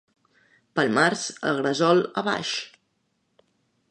Pel març, el gresol a baix.